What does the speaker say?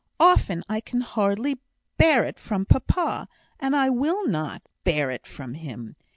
Often I can hardly bear it from papa, and I will not bear it from him.